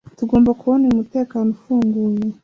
Tugomba kubona uyu mutekano ufunguye